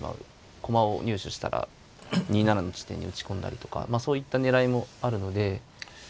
駒を入手したら２七の地点に打ち込んだりとかそういった狙いもあるので。